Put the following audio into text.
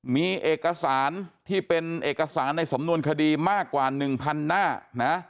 มีเอกสารที่เป็นเอกสารในสำนวนคดีมากกว่า๑๐๐หน้านะ